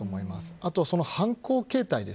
あと犯行形態です。